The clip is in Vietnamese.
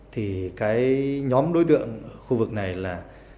thì cái nhóm đối tượng khu vực này là